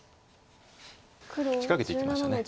仕掛けていきました。